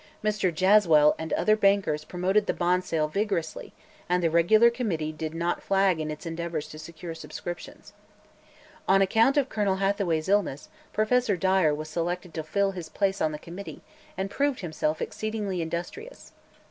Mr. Jaswell and other bankers promoted the bond sale vigorously and the regular Committee did not flag in its endeavors to secure subscriptions. On account of Colonel Hathaway's illness, Professor Dyer was selected to fill his place on the Committee and proved himself exceedingly industrious.